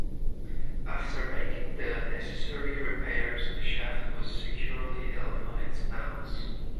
After making the necessary repairs the shaft was securely held on its mounts.